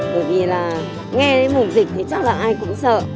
bởi vì là nghe đến mùa dịch thì chắc là ai cũng sợ